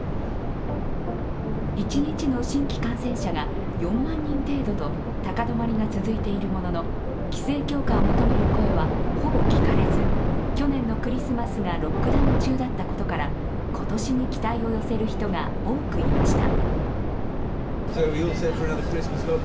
一日の新規感染者が４万人程度で高止まりが続いているものの、規制強化を求める声はほぼ聞かれず去年のクリスマスがロックダウン中だったことから今年に期待を寄せる人が多くいました。